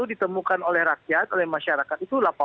ditemukan oleh rakyat oleh masyarakat itu